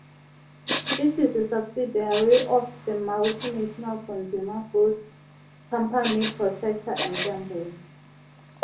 It is a subsidiary of the multinational consumer goods company Procter and Gamble.